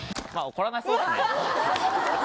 怒らなそうですね。